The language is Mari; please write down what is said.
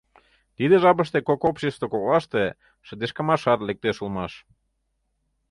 Тиде жапыште кок общество коклаште шыдешкымашат лектеш улмаш.